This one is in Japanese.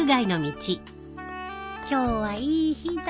今日はいい日だねえ。